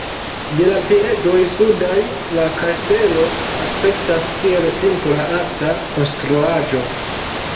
De la piedoj sudaj la kastelo aspektas kiel simpla alta konstruaĵo.